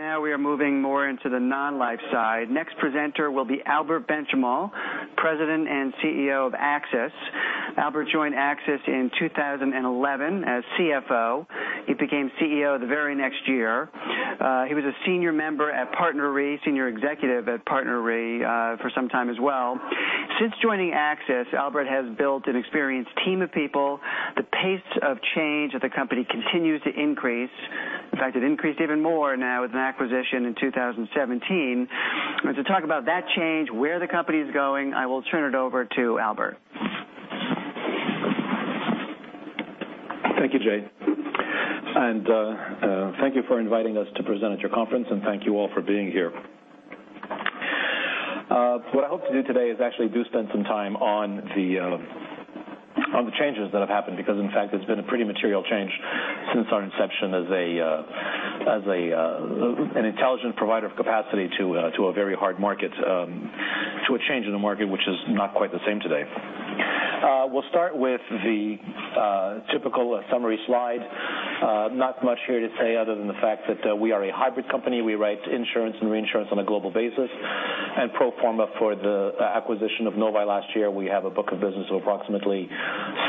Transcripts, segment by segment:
Now we are moving more into the non-life side. Next presenter will be Albert Benchimol, President and CEO of AXIS. Albert joined AXIS in 2011 as CFO. He became CEO the very next year. He was a senior member at PartnerRe, senior executive at PartnerRe for some time as well. Since joining AXIS, Albert has built an experienced team of people. The pace of change of the company continues to increase. In fact, it increased even more now with an acquisition in 2017. To talk about that change, where the company's going, I will turn it over to Albert. Thank you, Jay, and thank you for inviting us to present at your conference, and thank you all for being here. What I hope to do today is actually do spend some time on the changes that have happened because, in fact, it's been a pretty material change since our inception as an intelligent provider of capacity to a very hard market, to a change in the market, which is not quite the same today. We'll start with the typical summary slide. Not much here to say other than the fact that we are a hybrid company. We write insurance and reinsurance on a global basis and pro forma for the acquisition of Novae last year, we have a book of business of approximately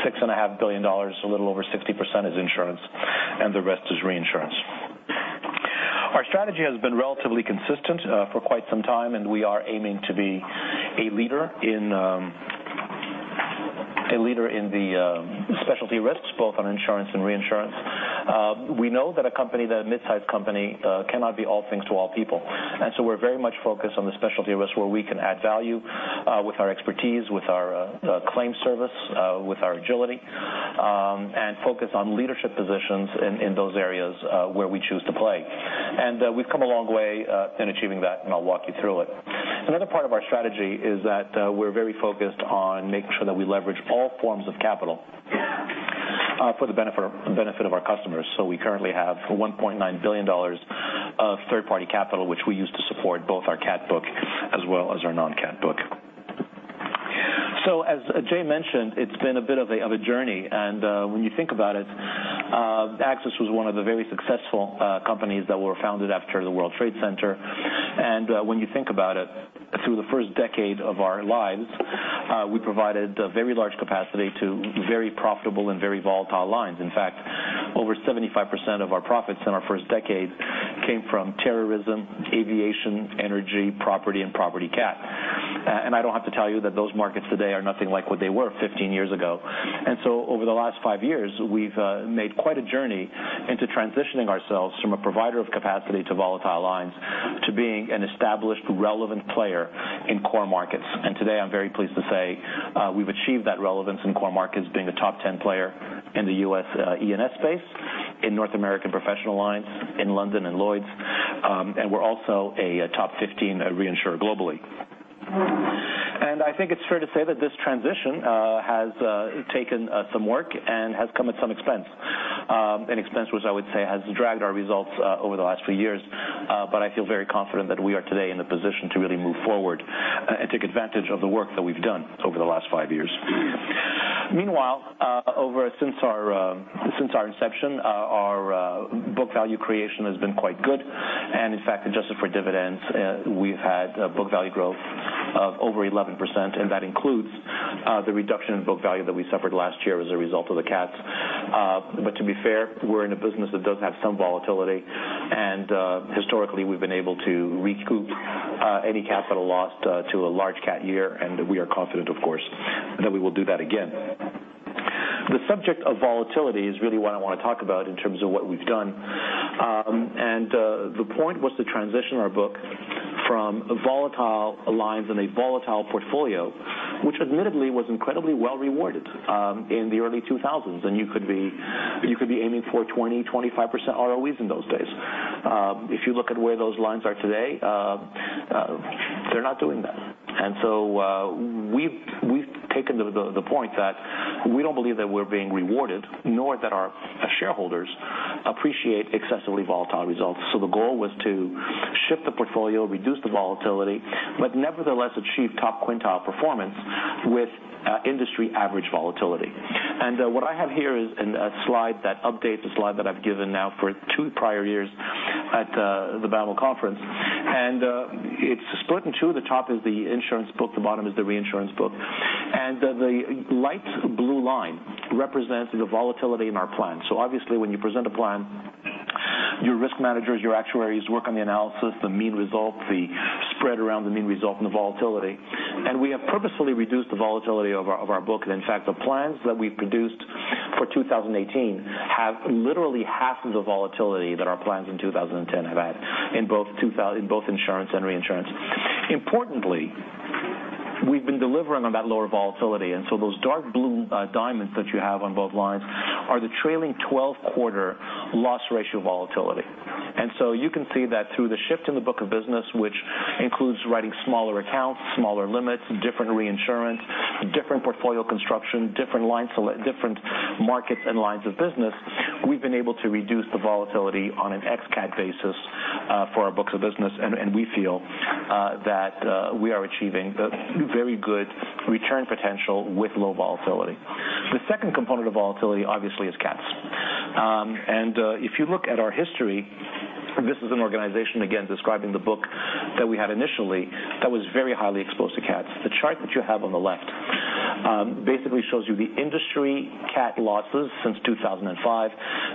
$6.5 billion. A little over 60% is insurance, and the rest is reinsurance. Our strategy has been relatively consistent for quite some time, we are aiming to be a leader in the specialty risks, both on insurance and reinsurance. We know that a midsize company cannot be all things to all people, we're very much focused on the specialty risks where we can add value with our expertise, with our claims service, with our agility, and focus on leadership positions in those areas where we choose to play. We've come a long way in achieving that, and I'll walk you through it. Another part of our strategy is that we're very focused on making sure that we leverage all forms of capital for the benefit of our customers. We currently have $1.9 billion of third-party capital, which we use to support both our cat book as well as our non-cat book. As Jay mentioned, it's been a bit of a journey, and when you think about it, AXIS was one of the very successful companies that were founded after the World Trade Center. When you think about it, through the first decade of our lives, we provided very large capacity to very profitable and very volatile lines. In fact, over 75% of our profits in our first decade came from terrorism, aviation, energy, property, and property cat. I don't have to tell you that those markets today are nothing like what they were 15 years ago. Over the last five years, we've made quite a journey into transitioning ourselves from a provider of capacity to volatile lines to being an established relevant player in core markets. Today I'm very pleased to say we've achieved that relevance in core markets being a top 10 player in the U.S. E&S space in North American professional lines in London and Lloyd's, and we're also a top 15 reinsurer globally. I think it's fair to say that this transition has taken some work and has come at some expense. An expense which I would say has dragged our results over the last few years, but I feel very confident that we are today in a position to really move forward and take advantage of the work that we've done over the last five years. Meanwhile, since our inception, our book value creation has been quite good, and in fact, adjusted for dividends, we've had book value growth of over 11%, and that includes the reduction in book value that we suffered last year as a result of the cats. To be fair, we're in a business that does have some volatility, and historically we've been able to recoup any capital lost to a large cat year, and we are confident, of course, that we will do that again. The subject of volatility is really what I want to talk about in terms of what we've done. The point was to transition our book from volatile lines in a volatile portfolio, which admittedly was incredibly well rewarded in the early 2000s, and you could be aiming for 20%, 25% ROEs in those days. If you look at where those lines are today, they're not doing that. We've taken the point that we don't believe that we're being rewarded, nor that our shareholders appreciate excessively volatile results. The goal was to shift the portfolio, reduce the volatility, but nevertheless achieve top quintile performance with industry average volatility. What I have here is a slide that updates a slide that I've given now for two prior years at the Bank of America Merrill Lynch Insurance Conference, and it's split in two. The top is the insurance book, the bottom is the reinsurance book. The light blue line represents the volatility in our plan. Obviously when you present a plan, your risk managers, your actuaries work on the analysis, the mean result, the spread around the mean result, and the volatility. We have purposefully reduced the volatility of our book. In fact, the plans that we've produced for 2018 have literally half of the volatility that our plans in 2010 have had in both insurance and reinsurance. Importantly, we've been delivering on that lower volatility, and so those dark blue diamonds that you have on both lines are the trailing 12 quarter loss ratio volatility. You can see that through the shift in the book of business, which includes writing smaller accounts, smaller limits, different reinsurance, different portfolio construction, different markets and lines of business, we've been able to reduce the volatility on an ex cat basis for our books of business, and we feel that we are achieving very good return potential with low volatility. The second component of volatility obviously is cats. If you look at our history, this is an organization, again, describing the book that we had initially that was very highly exposed to cats. The chart that you have on the left basically shows you the industry cat losses since 2005.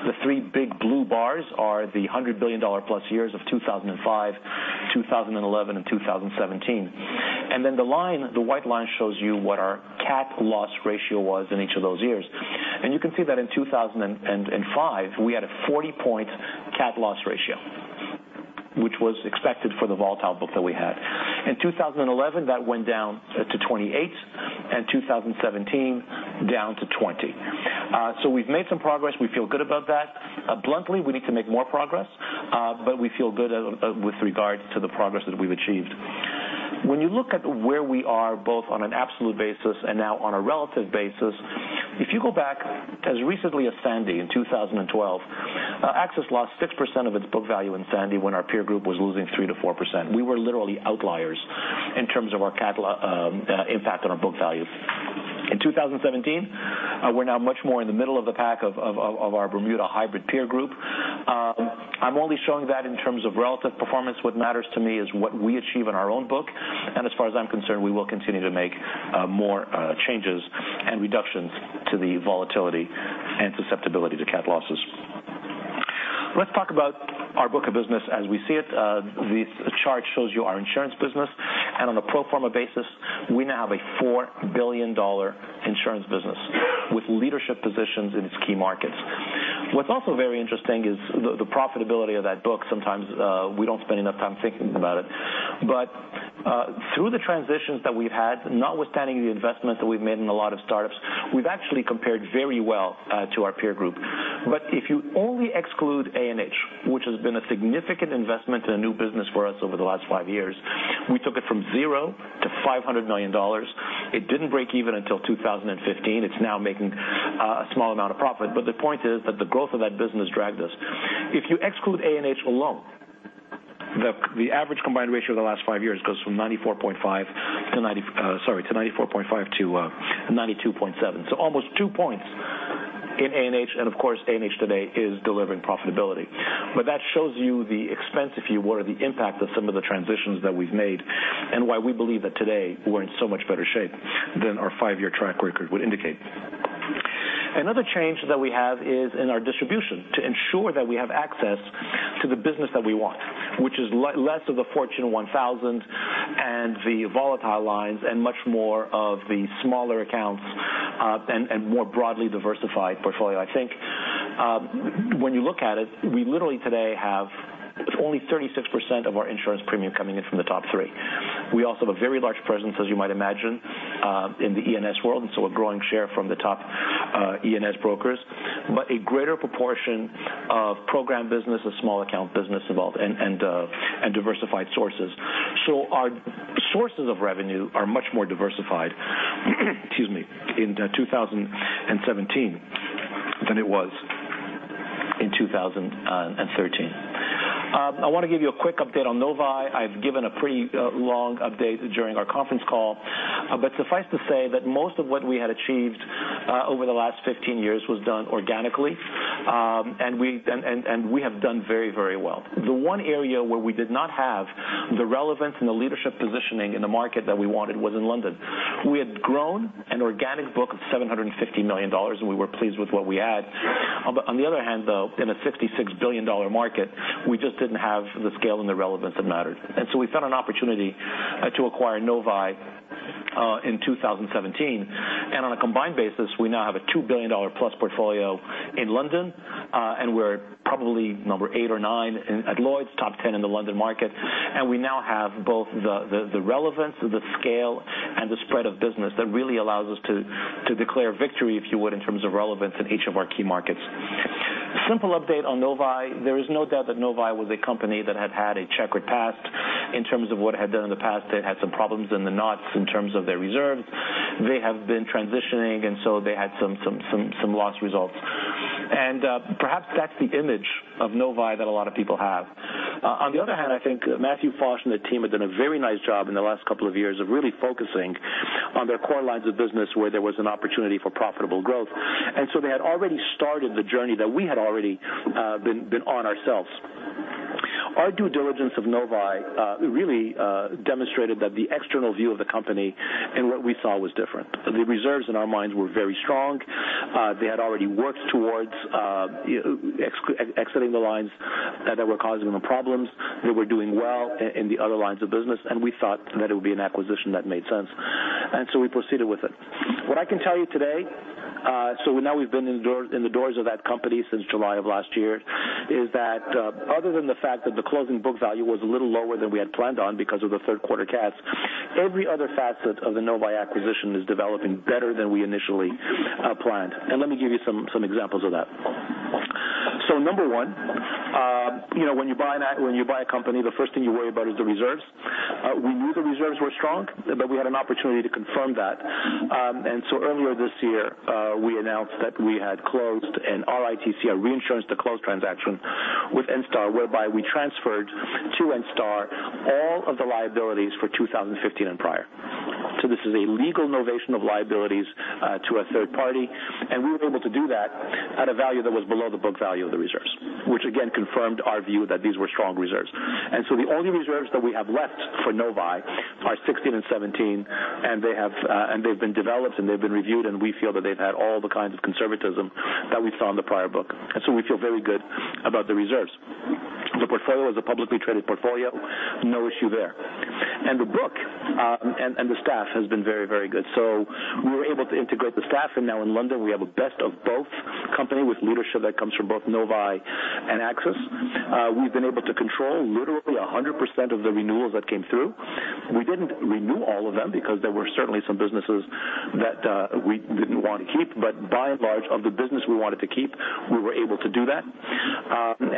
The three big blue bars are the $100 billion-plus years of 2005, 2011, and 2017. The white line shows you what our cat loss ratio was in each of those years. You can see that in 2005, we had a 40-point cat loss ratio, which was expected for the volatile book that we had. In 2011, that went down to 28, and 2017 down to 20. We've made some progress. We feel good about that. Bluntly, we need to make more progress, but we feel good with regard to the progress that we've achieved. When you look at where we are both on an absolute basis and now on a relative basis, if you go back as recently as Sandy in 2012, AXIS lost 6% of its book value in Sandy when our peer group was losing 3%-4%. We were literally outliers in terms of our cat impact on our book values. In 2017, we're now much more in the middle of the pack of our Bermuda hybrid peer group. I'm only showing that in terms of relative performance. What matters to me is what we achieve in our own book, and as far as I'm concerned, we will continue to make more changes and reductions to the volatility and susceptibility to cat losses. Let's talk about our book of business as we see it. The chart shows you our insurance business. On a pro forma basis, we now have a $4 billion insurance business with leadership positions in its key markets. What's also very interesting is the profitability of that book. Sometimes we don't spend enough time thinking about it. Through the transitions that we've had, notwithstanding the investment that we've made in a lot of startups, we've actually compared very well to our peer group. If you only exclude A&H, which has been a significant investment in a new business for us over the last five years, we took it from zero to $500 million. It didn't break even until 2015. It's now making a small amount of profit. The point is that the growth of that business dragged us. If you exclude A&H alone, the average combined ratio of the last five years goes from 94.5%-92.7%. Almost two points in A&H, of course, A&H today is delivering profitability. That shows you the expense, if you will, or the impact of some of the transitions that we've made and why we believe that today we're in so much better shape than our five-year track record would indicate. Another change that we have is in our distribution to ensure that we have access to the business that we want, which is less of the Fortune 1000 and the volatile lines and much more of the smaller accounts and more broadly diversified portfolio. I think when you look at it, we literally today have only 36% of our insurance premium coming in from the top three. We also have a very large presence, as you might imagine, in the E&S world. A growing share from the top E&S brokers, but a greater proportion of program business or small account business involved and diversified sources. Our sources of revenue are much more diversified in 2017 than it was in 2013. I want to give you a quick update on Novae. I've given a pretty long update during our conference call. Suffice to say that most of what we had achieved over the last 15 years was done organically, and we have done very well. The one area where we did not have the relevance and the leadership positioning in the market that we wanted was in London. We had grown an organic book of $750 million, and we were pleased with what we had. On the other hand, though, in a $66 billion market, we just didn't have the scale and the relevance that mattered. We found an opportunity to acquire Novae in 2017. On a combined basis we now have a $2 billion plus portfolio in London, and we're probably number eight or nine at Lloyd's top 10 in the London market. We now have both the relevance, the scale, and the spread of business that really allows us to declare victory, if you would, in terms of relevance in each of our key markets. Simple update on Novae. There is no doubt that Novae was a company that had had a checkered past in terms of what it had done in the past. It had some problems in the past in terms of their reserves. They have been transitioning, and so they had some loss results. Perhaps that's the image of Novae that a lot of people have. On the other hand, I think Matthew Fosh and the team have done a very nice job in the last couple of years of really focusing on their core lines of business where there was an opportunity for profitable growth. They had already started the journey that we had already been on ourselves. Our due diligence of Novae really demonstrated that the external view of the company and what we saw was different. The reserves in our minds were very strong. They had already worked towards exiting the lines that were causing them problems. They were doing well in the other lines of business, and we thought that it would be an acquisition that made sense. We proceeded with it. What I can tell you today, so now we've been in the doors of that company since July of last year, is that other than the fact that the closing book value was a little lower than we had planned on because of the third quarter cats, every other facet of the Novae acquisition is developing better than we initially planned. Let me give you some examples of that. Number 1, when you buy a company, the first thing you worry about is the reserves. We knew the reserves were strong, but we had an opportunity to confirm that. And so earlier this year we announced that we had closed an RITC, a reinsurance to close transaction with Enstar whereby we transferred to Enstar all of the liabilities for 2015 and prior. This is a legal novation of liabilities to a third party. We were able to do that at a value that was below the book value of the reserves, which again confirmed our view that these were strong reserves. The only reserves that we have left for Novae are 2016 and 2017, and they've been developed and they've been reviewed, and we feel that they've had all the kinds of conservatism that we saw in the prior book. We feel very good about the reserves. The portfolio is a publicly traded portfolio, no issue there. The book and the staff has been very, very good. We were able to integrate the staff, and now in London we have a best of both company with leadership that comes from both Novae and AXIS. We've been able to control literally 100% of the renewals that came through. We didn't renew all of them because there were certainly some businesses that we didn't want to keep, but by and large, of the business we wanted to keep, we were able to do that.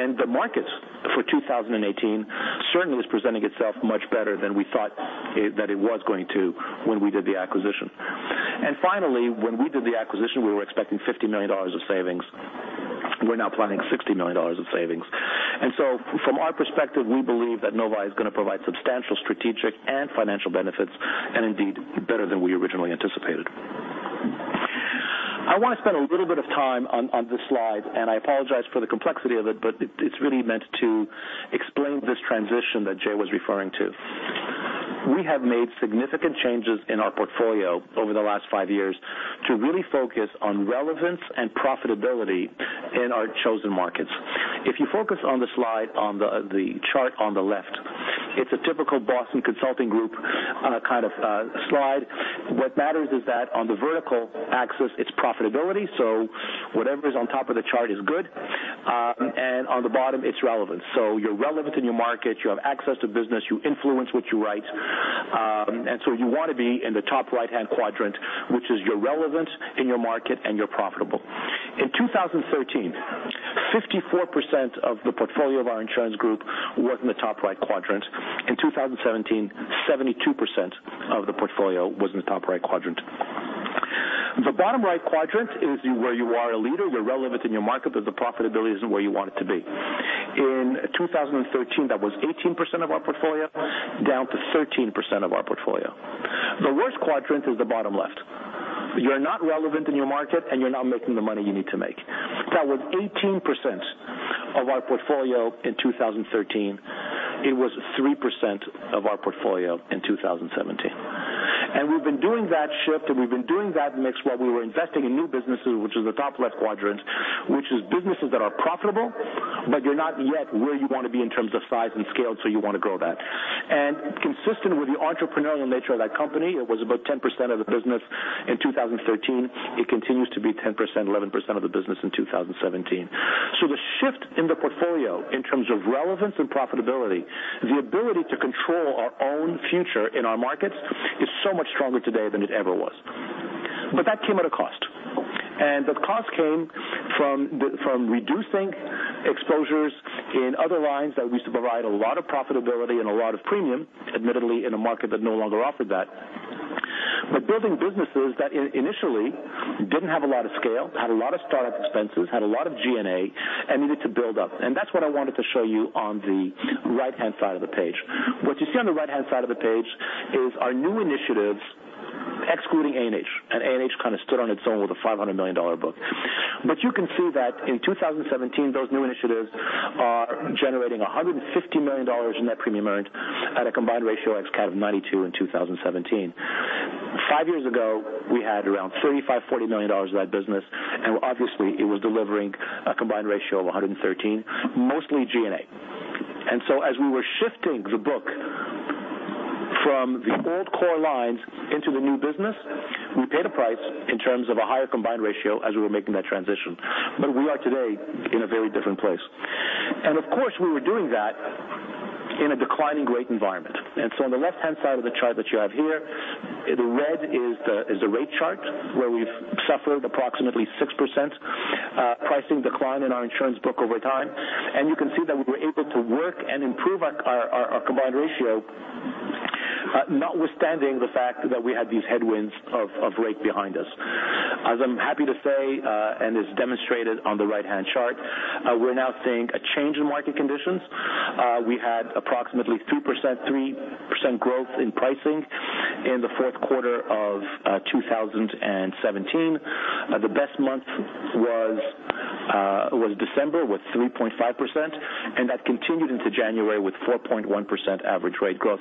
The markets for 2018 certainly was presenting itself much better than we thought that it was going to when we did the acquisition. Finally, when we did the acquisition, we were expecting $50 million of savings. We're now planning $60 million of savings. From our perspective, we believe that Novae is going to provide substantial strategic and financial benefits, and indeed better than we originally anticipated. I want to spend a little bit of time on this slide, and I apologize for the complexity of it, but it's really meant to explain this transition that Jay was referring to. We have made significant changes in our portfolio over the last five years to really focus on relevance and profitability in our chosen markets. If you focus on the slide on the chart on the left, it's a typical Boston Consulting Group kind of slide. What matters is that on the vertical axis, it's profitability. Whatever's on top of the chart is good. On the bottom, it's relevant. You're relevant in your market, you have access to business, you influence what you write. You want to be in the top right-hand quadrant, which is you're relevant in your market and you're profitable. In 2013, 54% of the portfolio of our insurance group was in the top right quadrant. In 2017, 72% of the portfolio was in the top right quadrant. The bottom right quadrant is where you are a leader, you're relevant in your market, but the profitability isn't where you want it to be. In 2013, that was 18% of our portfolio, down to 13% of our portfolio. The worst quadrant is the bottom left. You're not relevant in your market, and you're not making the money you need to make. That was 18% of our portfolio in 2013. It was 3% of our portfolio in 2017. We've been doing that shift, and we've been doing that mix while we were investing in new businesses, which is the top left quadrant, which is businesses that are profitable, but you're not yet where you want to be in terms of size and scale, so you want to grow that. Consistent with the entrepreneurial nature of that company, it was about 10% of the business in 2013. It continues to be 10%, 11% of the business in 2017. The shift in the portfolio in terms of relevance and profitability, the ability to control our own future in our markets is so much stronger today than it ever was. That came at a cost. The cost came from reducing exposures in other lines that used to provide a lot of profitability and a lot of premium, admittedly in a market that no longer offered that. Building businesses that initially didn't have a lot of scale, had a lot of startup expenses, had a lot of G&A, and needed to build up. That's what I wanted to show you on the right-hand side of the page. What you see on the right-hand side of the page is our new initiatives excluding A&H, and A&H kind of stood on its own with a $500 million book. You can see that in 2017, those new initiatives are generating $150 million in net premium earned at a combined ratio ex cat of 92 in 2017. Five years ago, we had around $35 million, $40 million of that business, and obviously it was delivering a combined ratio of 113, mostly G&A. As we were shifting the book from the old core lines into the new business, we paid a price in terms of a higher combined ratio as we were making that transition. We are today in a very different place. Of course, we were doing that in a declining rate environment. On the left-hand side of the chart that you have here, the red is the rate chart where we've suffered approximately 6% pricing decline in our insurance book over time. You can see that we were able to work and improve our combined ratio notwithstanding the fact that we had these headwinds of rate behind us. As I'm happy to say, as demonstrated on the right-hand chart, we're now seeing a change in market conditions. We had approximately 2%, 3% growth in pricing in the fourth quarter of 2017. The best month was December with 3.5%, that continued into January with 4.1% average rate growth.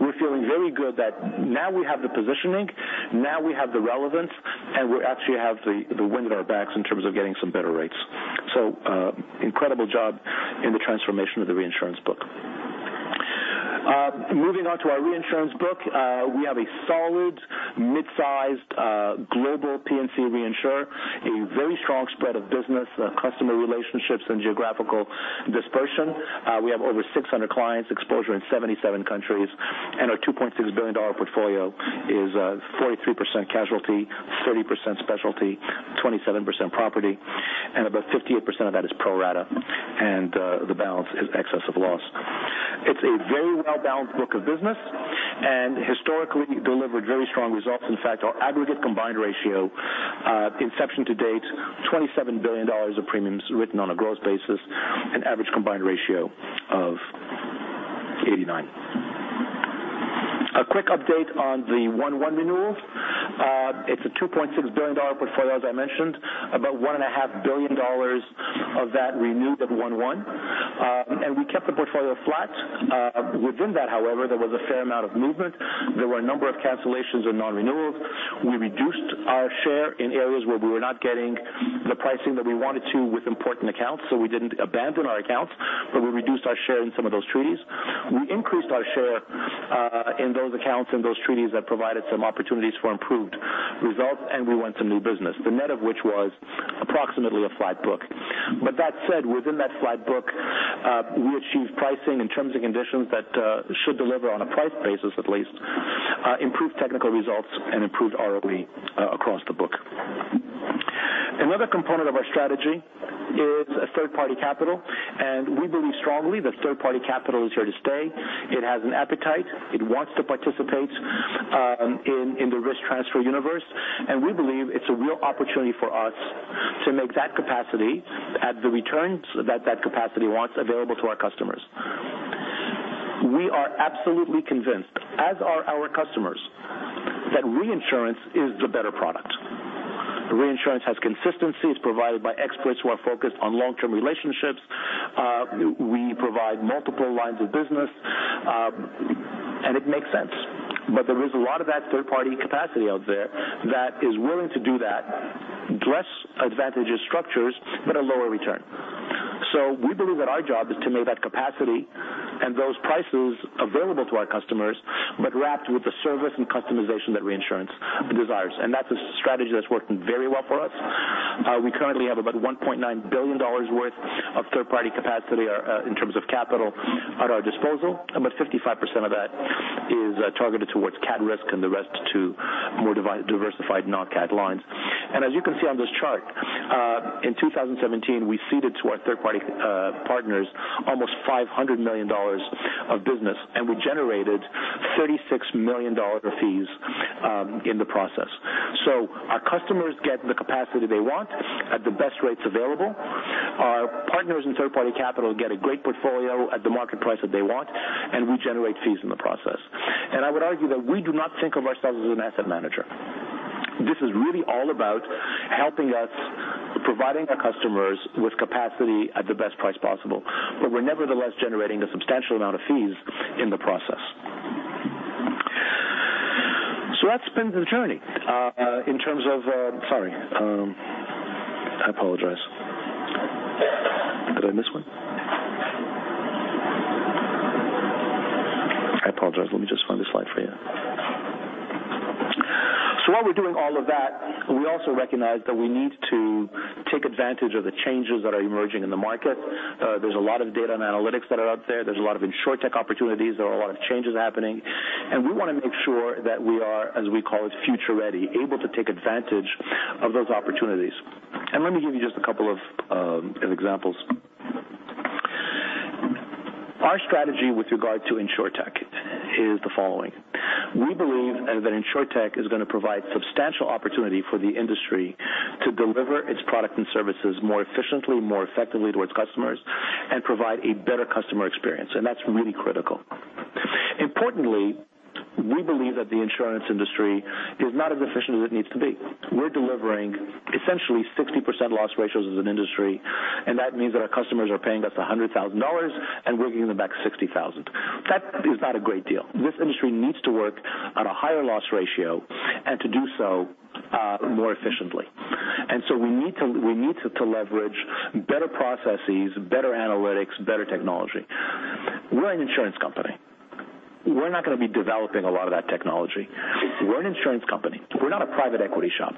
We're feeling very good that now we have the positioning, now we have the relevance, and we actually have the wind at our backs in terms of getting some better rates. Incredible job in the transformation of the reinsurance book. Moving on to our reinsurance book. We have a solid mid-sized global P&C reinsurer, a very strong spread of business customer relationships and geographical dispersion. We have over 600 clients exposure in 77 countries, our $2.6 billion portfolio is 43% casualty, 30% specialty, 27% property, and about 58% of that is pro rata, and the balance is excess of loss. It's a very well-balanced book of business and historically delivered very strong results. In fact, our aggregate combined ratio Inception to date, $27 billion of premiums written on a gross basis, an average combined ratio of 89. A quick update on the 1/1 renewal. It's a $2.6 billion portfolio, as I mentioned. About $1.5 billion of that renewed at 1/1. We kept the portfolio flat. Within that, however, there was a fair amount of movement. There were a number of cancellations or non-renewals. We reduced our share in areas where we were not getting the pricing that we wanted to with important accounts. We didn't abandon our accounts, but we reduced our share in some of those treaties. We increased our share in those accounts and those treaties that provided some opportunities for improved results. We went to new business, the net of which was approximately a flat book. That said, within that flat book, we achieved pricing and terms and conditions that should deliver on a price basis at least, improve technical results, and improve ROE across the book. Another component of our strategy is third-party capital. We believe strongly that third-party capital is here to stay. It has an appetite. It wants to participate in the risk transfer universe. We believe it's a real opportunity for us to make that capacity at the returns that that capacity wants available to our customers. We are absolutely convinced, as are our customers, that reinsurance is the better product. Reinsurance has consistency. It's provided by experts who are focused on long-term relationships. We provide multiple lines of business. It makes sense. There is a lot of that third-party capacity out there that is willing to do that, less advantageous structures, but a lower return. We believe that our job is to make that capacity and those prices available to our customers, but wrapped with the service and customization that reinsurance desires. That's a strategy that's working very well for us. We currently have about $1.9 billion worth of third-party capacity in terms of capital at our disposal. About 55% of that is targeted towards cat risk and the rest to more diversified non-cat lines. As you can see on this chart, in 2017 we ceded to our third-party partners almost $500 million of business. We generated $36 million of fees in the process. Our customers get the capacity they want at the best rates available. Our partners in third-party capital get a great portfolio at the market price that they want. We generate fees in the process. I would argue that we do not think of ourselves as an asset manager. This is really all about helping us providing our customers with capacity at the best price possible, but we're nevertheless generating a substantial amount of fees in the process. So that's been the journey, in terms of Sorry. I apologize. Did I miss one? I apologize. Let me just find the slide for you. While we're doing all of that, we also recognize that we need to take advantage of the changes that are emerging in the market. There's a lot of data and analytics that are out there. There's a lot of insurtech opportunities. There are a lot of changes happening. We want to make sure that we are, as we call it, future ready, able to take advantage of those opportunities. Let me give you just a couple of examples. Our strategy with regard to insurtech is the following. We believe that insurtech is going to provide substantial opportunity for the industry to deliver its product and services more efficiently, more effectively towards customers, and provide a better customer experience. That's really critical. Importantly, we believe that the insurance industry is not as efficient as it needs to be. We're delivering essentially 60% loss ratios as an industry, and that means that our customers are paying us $100,000, and we're giving them back $60,000. That is not a great deal. This industry needs to work at a higher loss ratio and to do so more efficiently. We need to leverage better processes, better analytics, better technology. We're an insurance company. We're not going to be developing a lot of that technology. We're an insurance company. We're not a private equity shop.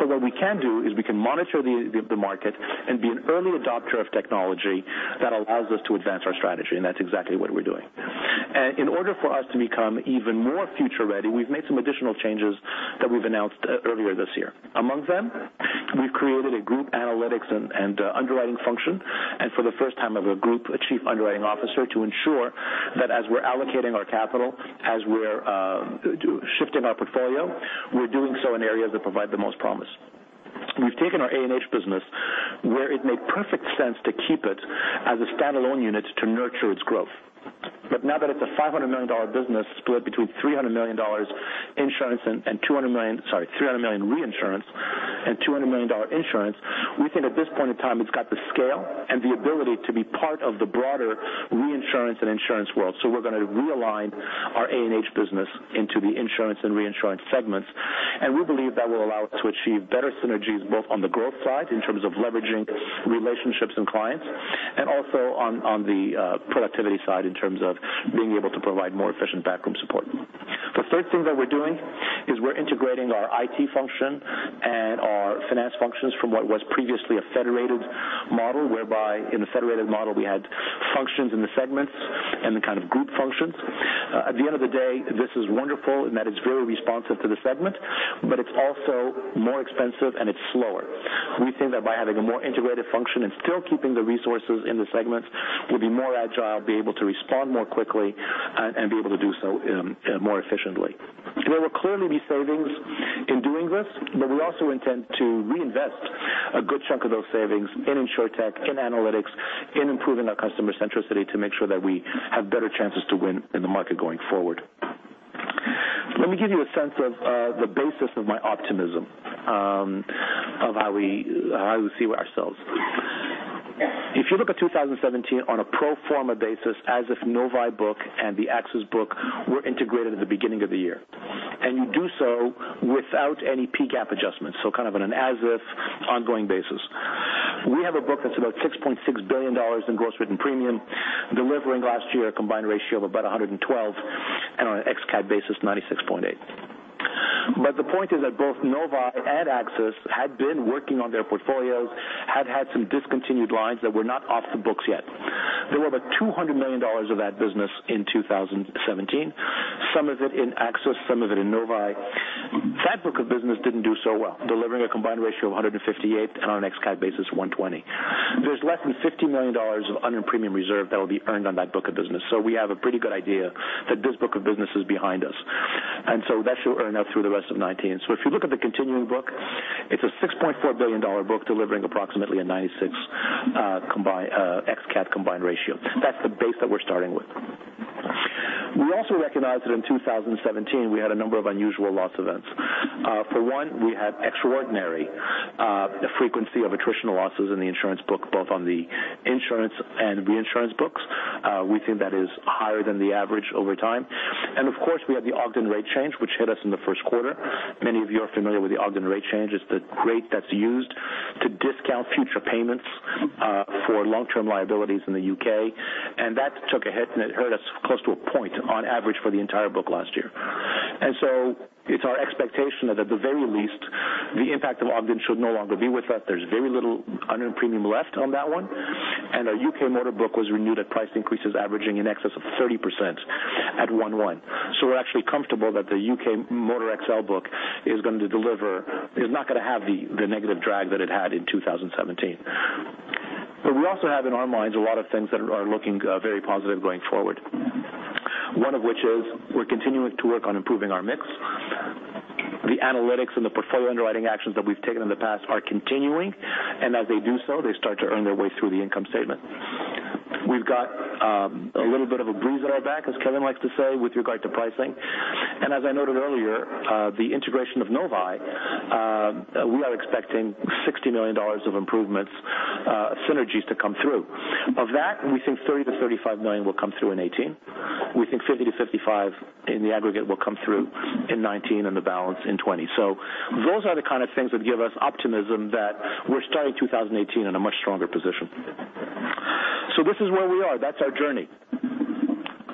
What we can do is we can monitor the market and be an early adopter of technology that allows us to advance our strategy, and that's exactly what we're doing. In order for us to become even more future ready, we've made some additional changes that we've announced earlier this year. Among them, we've created a group analytics and underwriting function, and for the first time ever, a group chief underwriting officer to ensure that as we're allocating our capital, as we're shifting our portfolio, we're doing so in areas that provide the most promise. We've taken our A&H business where it made perfect sense to keep it as a standalone unit to nurture its growth. Now that it's a $500 million business split between $300 million insurance and $200 million Sorry, $300 million reinsurance and $200 million insurance, we think at this point in time it's got the scale and the ability to be part of the broader reinsurance and insurance world. We're going to realign our A&H business into the insurance and reinsurance segments, and we believe that will allow us to achieve better synergies both on the growth side in terms of leveraging relationships and clients, and also on the productivity side in terms of being able to provide more efficient backroom support. The third thing that we're doing is we're integrating our IT function and our finance functions from what was previously a federated model whereby in the federated model we had functions in the segments and the kind of group functions. At the end of the day, this is wonderful in that it's very responsive to the segment, but it's also more expensive and it's slower. We think that by having a more integrated function and still keeping the resources in the segments, we'll be more agile, be able to respond more quickly, and be able to do so more efficiently. There will clearly be savings in doing this, but we also intend to reinvest a good chunk of those savings in insurtech, in analytics, in improving our customer centricity to make sure that we have better chances to win in the market going forward. Let me give you a sense of the basis of my optimism of how we see ourselves. If you look at 2017 on a pro forma basis as if Novae book and the AXIS book were integrated at the beginning of the year, and you do so without any PGAAP adjustments, kind of on an as if ongoing basis. We have a book that's about $6.6 billion in gross written premium, delivering last year a combined ratio of about 112, and on an ex-CAT basis, 96.8. The point is that both Novae and AXIS had been working on their portfolios, had had some discontinued lines that were not off the books yet. There were about $200 million of that business in 2017, some of it in AXIS, some of it in Novae. That book of business didn't do so well, delivering a combined ratio of 158, and on an ex-CAT basis, 120. There's less than $50 million of unearned premium reserve that will be earned on that book of business. We have a pretty good idea that this book of business is behind us, that should earn out through the rest of 2019. If you look at the continuing book, it's a $6.4 billion book delivering approximately a 96 ex-CAT combined ratio. That's the base that we're starting with. We also recognize that in 2017, we had a number of unusual loss events. For one, we had extraordinary frequency of attritional losses in the insurance book, both on the insurance and reinsurance books. We think that is higher than the average over time. Of course, we had the Ogden rate change, which hit us in the first quarter. Many of you are familiar with the Ogden rate change. It's the rate that's used to discount future payments for long-term liabilities in the U.K. That took a hit, and it hurt us close to a point on average for the entire book last year. It's our expectation that at the very least, the impact of Ogden should no longer be with us. There's very little unearned premium left on that one, and our U.K. motor book was renewed at price increases averaging in excess of 30% at 1/1. We're actually comfortable that the U.K. motor excess layer book is not going to have the negative drag that it had in 2017. We also have in our minds a lot of things that are looking very positive going forward. One of which is we're continuing to work on improving our mix. The analytics and the portfolio underwriting actions that we've taken in the past are continuing, and as they do so, they start to earn their way through the income statement. We've got a little bit of a breeze at our back, as Kevin likes to say, with regard to pricing. As I noted earlier, the integration of Novae, we are expecting $60 million of improvements synergies to come through. Of that, we think $30 million-$35 million will come through in 2018. We think $50 million-$55 million in the aggregate will come through in 2019, and the balance in 2020. Those are the kind of things that give us optimism that we're starting 2018 in a much stronger position. This is where we are. That's our journey.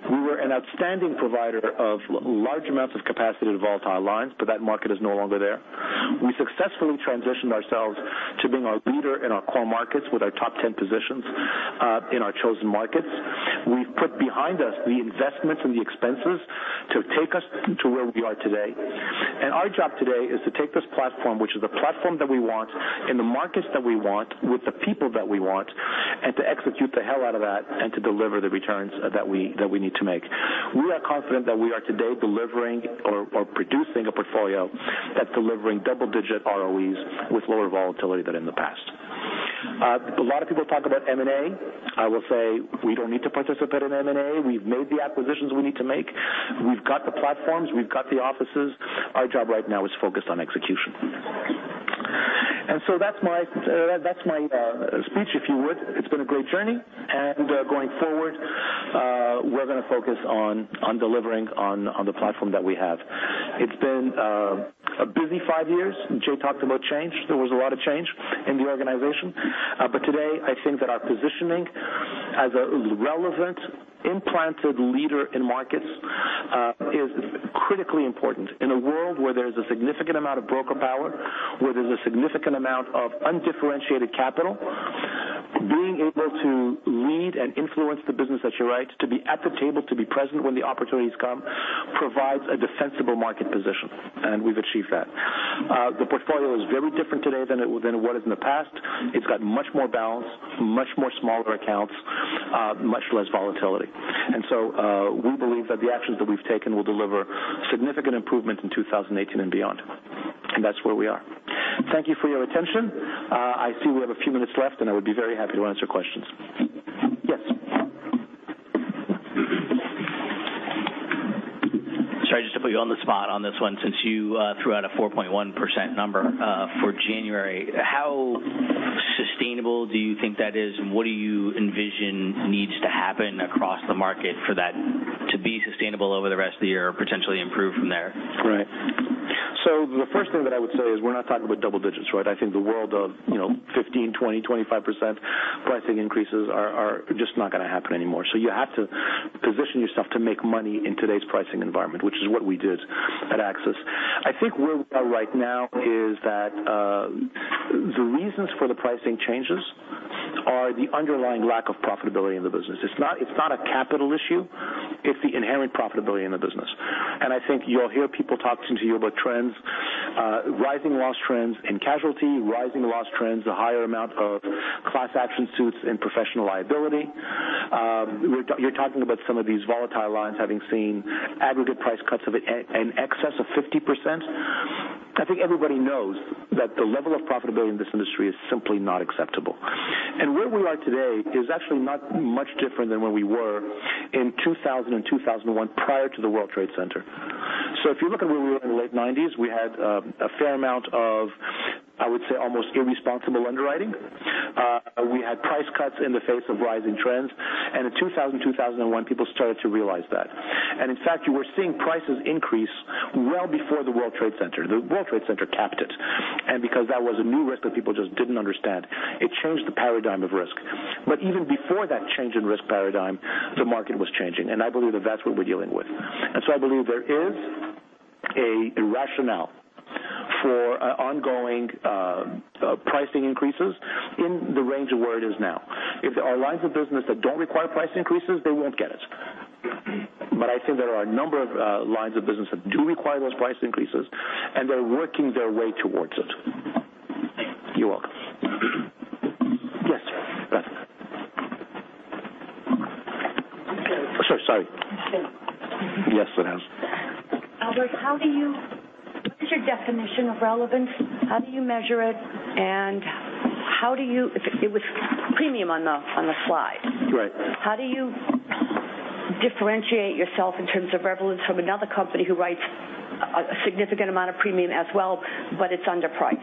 We were an outstanding provider of large amounts of capacity to volatile lines, that market is no longer there. We successfully transitioned ourselves to being a leader in our core markets with our top 10 positions in our chosen markets. We've put behind us the investments and the expenses to take us to where we are today. Our job today is to take this platform, which is a platform that we want in the markets that we want with the people that we want, and to execute the hell out of that and to deliver the returns that we need to make. We are confident that we are today delivering or producing a portfolio that's delivering double-digit ROEs with lower volatility than in the past. A lot of people talk about M&A. I will say we don't need to participate in M&A. We've made the acquisitions we need to make. We've got the platforms. We've got the offices. Our job right now is focused on execution. That's my speech, if you would. It's been a great journey, and going forward we're going to focus on delivering on the platform that we have. It's been a busy five years. Jay talked about change. There was a lot of change in the organization. Today I think that our positioning as a relevant, implanted leader in markets is critically important in a world where there's a significant amount of broker power, where there's a significant amount of undifferentiated capital. Being able to lead and influence the business that you write, to be at the table, to be present when the opportunities come, provides a defensible market position, and we've achieved that. The portfolio is very different today than it was in the past. It's got much more balance, much more smaller accounts, much less volatility. We believe that the actions that we've taken will deliver significant improvement in 2018 and beyond, and that's where we are. Thank you for your attention. I see we have a few minutes left, and I would be very happy to answer questions. Yes. Sorry just to put you on the spot on this one, since you threw out a 4.1% number for January, how sustainable do you think that is, and what do you envision needs to happen across the market for that to be sustainable over the rest of the year or potentially improve from there? The first thing that I would say is we're not talking about double digits, right? I think the world of 15%, 20%, 25% pricing increases are just not going to happen anymore. You have to position yourself to make money in today's pricing environment, which is what we did at AXIS. I think where we are right now is that the reasons for the pricing changes are the underlying lack of profitability in the business. It's not a capital issue, it's the inherent profitability in the business. I think you'll hear people talking to you about trends, rising loss trends in casualty, rising loss trends, the higher amount of class action suits in professional liability. You're talking about some of these volatile lines having seen aggregate price cuts of an excess of 50%. I think everybody knows that the level of profitability in this industry is simply not acceptable. Where we are today is actually not much different than where we were in 2000 and 2001 prior to the World Trade Center. If you look at where we were in the late '90s, we had a fair amount of, I would say, almost irresponsible underwriting. We had price cuts in the face of rising trends, and in 2000, 2001, people started to realize that. In fact, you were seeing prices increase well before the World Trade Center. The World Trade Center capped it, and because that was a new risk that people just didn't understand, it changed the paradigm of risk. Even before that change in risk paradigm, the market was changing. I believe that that's what we're dealing with. I believe there is a rationale for ongoing pricing increases in the range of where it is now. If there are lines of business that don't require price increases, they won't get it. I think there are a number of lines of business that do require those price increases, and they're working their way towards it. You're welcome. Yes. Sorry. Yes, it has. Albert, what is your definition of relevance? How do you measure it? It was premium on the slide. Right. How do you differentiate yourself in terms of relevance from another company who writes a significant amount of premium as well, but it's underpriced?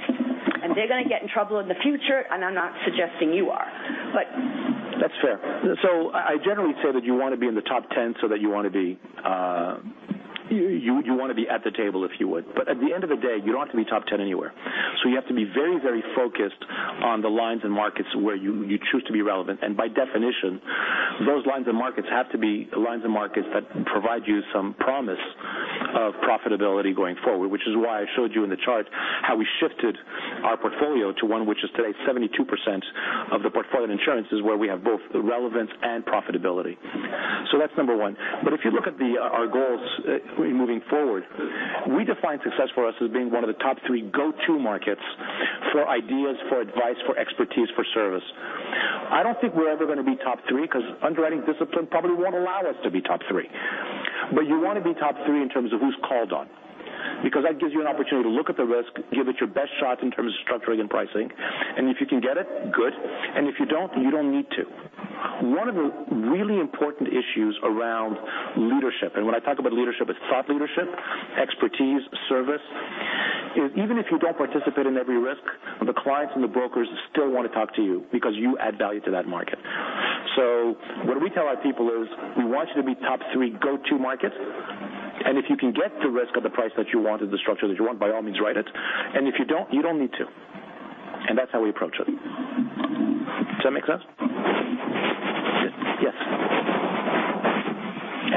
They're going to get in trouble in the future, and I'm not suggesting you are, but. That's fair. I generally say that you want to be in the top 10, so that you want to be at the table, if you would. At the end of the day, you don't have to be top 10 anywhere. You have to be very focused on the lines and markets where you choose to be relevant. By definition, those lines and markets have to be lines and markets that provide you some promise of profitability going forward. Which is why I showed you in the chart how we shifted our portfolio to one which is today 72% of the portfolio insurance is where we have both relevance and profitability. That's number one. If you look at our goals moving forward, we define success for us as being one of the top three go-to markets for ideas, for advice, for expertise, for service. I don't think we're ever going to be top three because underwriting discipline probably won't allow us to be top three. You want to be top three in terms of who's called on, because that gives you an opportunity to look at the risk, give it your best shot in terms of structuring and pricing, and if you can get it, good, and if you don't, you don't need to. One of the really important issues around leadership, and when I talk about leadership, it's thought leadership, expertise, service, is even if you don't participate in every risk, the clients and the brokers still want to talk to you because you add value to that market. What we tell our people is we want you to be top three go-to market, if you can get the risk at the price that you want and the structure that you want, by all means, write it. If you don't, you don't need to. That's how we approach it. Does that make sense? Yes.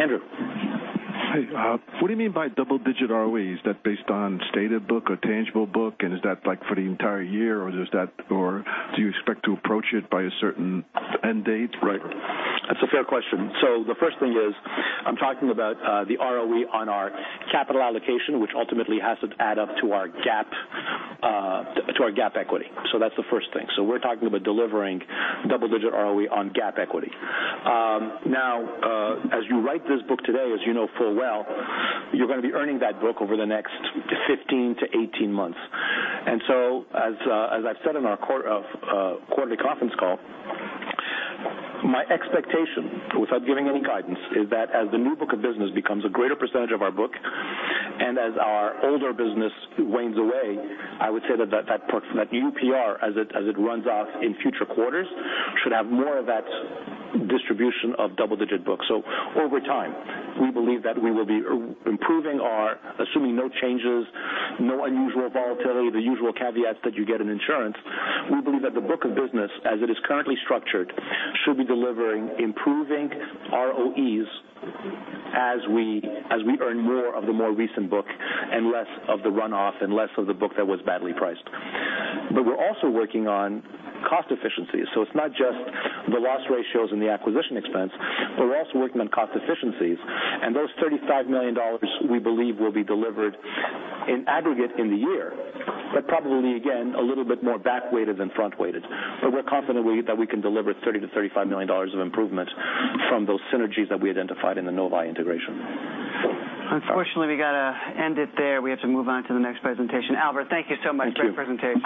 Andrew. Hi. What do you mean by double-digit ROE? Is that based on stated book or tangible book, and is that for the entire year, or do you expect to approach it by a certain end date? Right. That's a fair question. The first thing is, I'm talking about the ROE on our capital allocation, which ultimately has to add up to our GAAP equity. That's the first thing. We're talking about delivering double-digit ROE on GAAP equity. As you write this book today, as you know full well, you're going to be earning that book over the next 15-18 months. As I've said in our quarterly conference call, my expectation, without giving any guidance, is that as the new book of business becomes a greater percentage of our book, and as our older business wanes away, I would say that that UPR, as it runs off in future quarters, should have more of that distribution of double-digit books. Over time, we believe that we will be improving our, assuming no changes, no unusual volatility, the usual caveats that you get in insurance, we believe that the book of business as it is currently structured, should be delivering improving ROEs as we earn more of the more recent book and less of the runoff and less of the book that was badly priced. We're also working on cost efficiencies. It's not just the loss ratios and the acquisition expense, but we're also working on cost efficiencies. Those $35 million we believe will be delivered in aggregate in the year, but probably, again, a little bit more back-weighted than front-weighted. We're confident that we can deliver $30 million-$35 million of improvement from those synergies that we identified in the Novae integration. Unfortunately, we got to end it there. We have to move on to the next presentation. Albert, thank you so much for the presentation.